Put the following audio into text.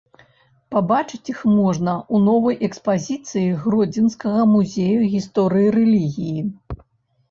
Пабачыць іх можна ў новай экспазіцыі гродзенскага музея гісторыі рэлігіі.